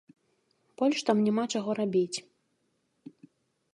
Больш там няма чаго рабіць.